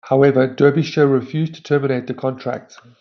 However Derbyshire refused to terminate the contract.